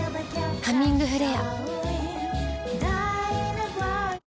「ハミングフレア」